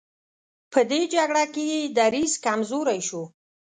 په دې جګړه کې یې دریځ کمزوری شو.